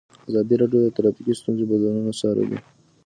ازادي راډیو د ټرافیکي ستونزې بدلونونه څارلي.